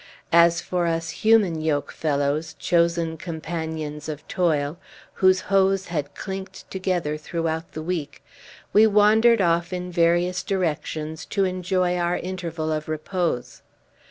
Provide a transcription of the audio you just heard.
As for us human yoke fellows, chosen companions of toil, whose hoes had clinked together throughout the week, we wandered off, in various directions, to enjoy our interval of repose.